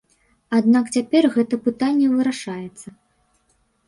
Аднак цяпер гэта пытанне вырашаецца.